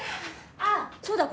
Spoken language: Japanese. あっそうだ